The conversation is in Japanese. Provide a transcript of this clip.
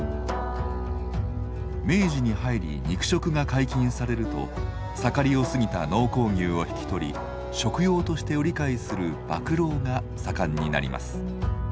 明治に入り肉食が解禁されると盛りを過ぎた農耕牛を引き取り食用として売り買いする馬喰が盛んになります。